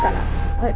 はい。